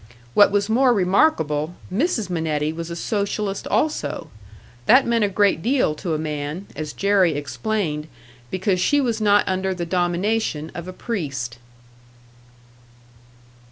What was more remarkable, Mrs. Minetti was a Socialist also; that meant a great deal to a man, as Jerry explained, because she was not under the domination of a priest.